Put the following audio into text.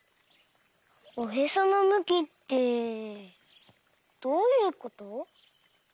おへそのむきってどういうこと？